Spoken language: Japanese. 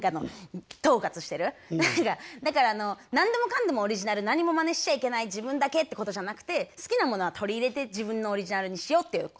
だから何でもかんでもオリジナル何もまねしちゃいけない自分だけってことじゃなくて好きなものは取り入れて自分のオリジナルにしようっていう言葉。